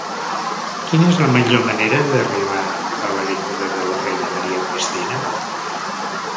Quina és la millor manera d'arribar a l'avinguda de la Reina Maria Cristina?